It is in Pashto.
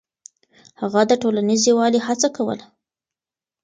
هغه د ټولنيز يووالي هڅه کوله.